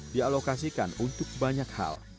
dialokasikan untuk banyak hal